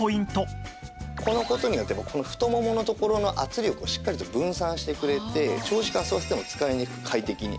この事によってこの太もものところの圧力をしっかりと分散してくれて長時間座っていても疲れにくく快適に。